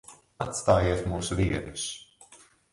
Atstājiet mūs vienus.